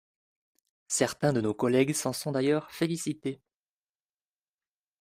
Certains de nos collègues s’en sont d’ailleurs félicités.